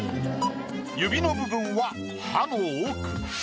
指の部分は歯の奥。